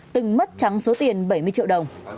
từng mất trắng số tiền bảy mươi triệu đồng